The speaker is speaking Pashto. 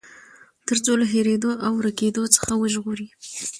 تر څو له هېريدو او ورکېدو څخه وژغوري.